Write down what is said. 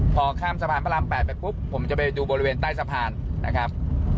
พอข้ามสะพานพระราม๘ไปปุ๊บผมจะไปดูบริเวณใต้สะพานนะครับ